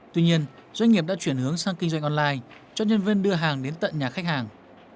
tuy nhiên doanh nghiệp đã chuyển hướng sang kinh doanh online cho nhân viên đưa hàng đến tận nhà khách hàng